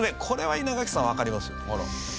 これは稲垣さんわかりますよね？